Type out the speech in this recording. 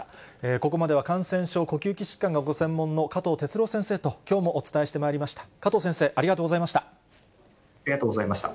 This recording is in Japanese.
ここまでは、感染症・呼吸器疾患がご専門の加藤哲朗先生ときょうもお伝えしてまいりました。